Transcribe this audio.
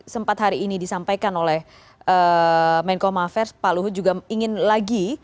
sempat hari ini disampaikan oleh menko mafers pak luhut juga ingin lagi